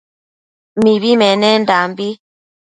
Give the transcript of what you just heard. Mibi menendanbi